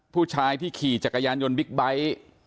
ผู้ชายที่ขี่จักรยานยนต์บิ๊กไบท์